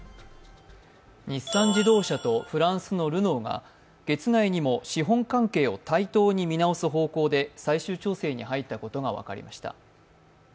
日産自動車とフランスのルノーが月内にも、資本関係を対等に見直す方向で最終調整に入ったことが分かりました。